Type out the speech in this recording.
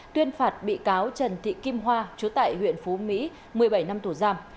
tuyên phạt bị cáo trần thị kim hoa chú tại huyện phú mỹ một mươi bảy năm tù giam